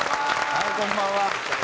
はいこんばんは。